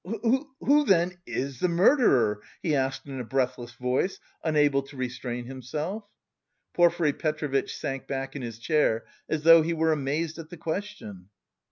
who then... is the murderer?" he asked in a breathless voice, unable to restrain himself. Porfiry Petrovitch sank back in his chair, as though he were amazed at the question.